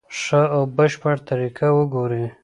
ښه او بشپړه طریقه وګوري.